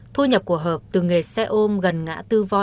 thu nhập của hợp từ nghề xe ôm gần ngã